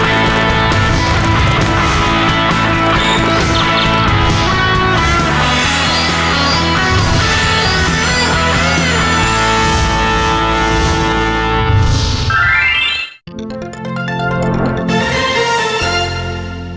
โอ้โหไทยแลนด์วันจันที่ยี่สิบสามท่านวาคมพศสอง